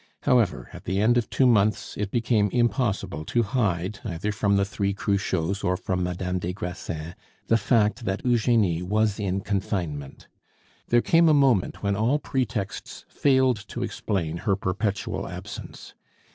However, at the end of two months, it became impossible to hide, either from the three Cruchots or from Madame des Grassins, the fact that Eugenie was in confinement. There came a moment when all pretexts failed to explain her perpetual absence.